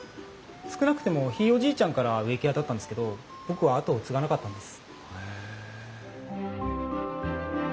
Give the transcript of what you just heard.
少なくてもひいおじいちゃんから植木屋だったんですけど僕は後を継がなかったんです。